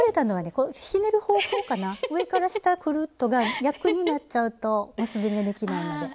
上から下くるっとが逆になっちゃうと結び目できないので。